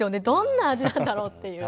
どんな味なんだろうって。